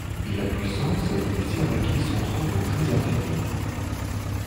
La puissance des Siraques s’en trouve très affaiblie.